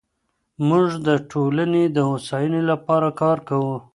موږ د ټولنې د هوساینې لپاره کار کوو.